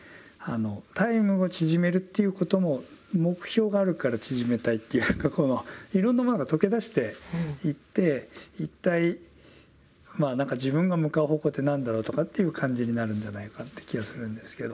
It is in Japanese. タイムを縮めるっていうことも目標があるから縮めたいっていうかいろんなものが溶け出していって一体まあ何か自分が向かう方向って何だろうとかっていう感じになるんじゃないかって気がするんですけど。